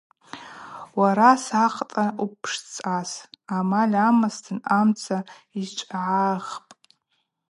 Уара сакъта упшцӏас, амаль амазтын амца йчвгӏагӏгпӏ.